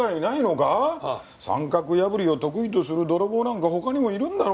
三角破りを得意とする泥棒なんか他にもいるんだろ？